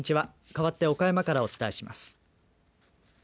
かわって岡山からお伝えします。